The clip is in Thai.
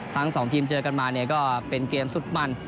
ทั้งสองทีมเจอกันมาเนี่ยก็เป็นเกมสุดมัน